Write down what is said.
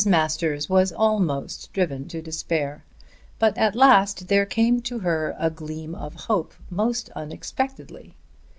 Masters was almost driven to despair; but at last there came to her a gleam of hope, most unexpectedly.